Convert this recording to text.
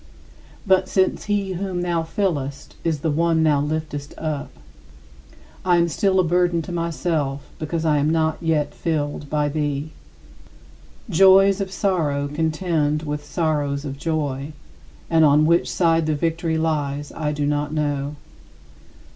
But since he whom thou fillest is the one thou liftest up, I am still a burden to myself because I am not yet filled by thee. Joys of sorrow contend with sorrows of joy, and on which side the victory lies I do not know.